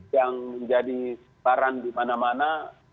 yang menjadi barang di mana mana